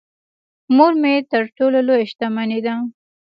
مور مې تر ټولو لويه شتمنی ده .